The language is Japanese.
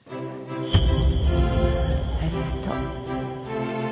ありがとう。